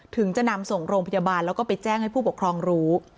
ถึงจะนำส่งโรงพยาบาลแล้วก็ไปแจ้งให้ผู้ปกครองรู้